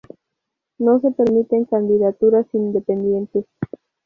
No se permiten candidaturas independientes.